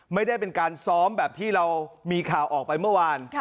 ไม่ได้เป็นการซ้อมแบบที่เรามีข่าวออกไปเมื่อวาน